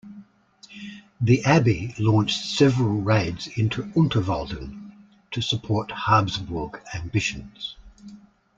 The Abbey launched several raids into Unterwalden to support Habsburg ambitions.